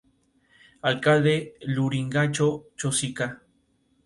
Alcalde de Lurigancho-Chosica.